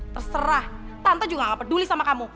terserah tante juga gak peduli sama kamu